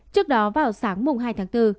trước đó vào sáng mùng hai tháng bốn